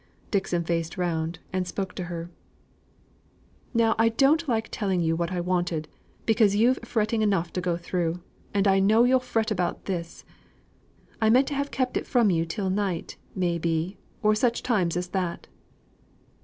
Dixon faced round, and spoke to her: "Now I don't like telling what I wanted, because you've fretting enough to go through, and I know you'll fret about this. I meant to have kept it from you till night, may be, or such times as that."